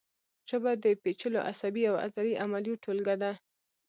ژبه د پیچلو عصبي او عضلي عملیو ټولګه ده